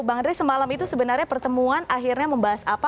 bang andre semalam itu sebenarnya pertemuan akhirnya membahas apa